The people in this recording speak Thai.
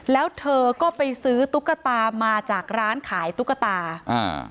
แล้วเธอก็ไปซื้อตุ๊กตามาจากร้านขายตุ๊กตาอ่า